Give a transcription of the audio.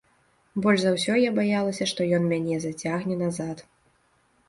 Больш за ўсё я баялася, што ён мяне зацягне назад.